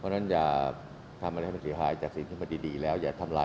เพราะฉะนั้นอย่าทำอะไรให้มันเสียหายจากสิ่งที่มันดีแล้วอย่าทำลาย